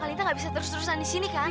kalintang gak bisa terus terusan disini kan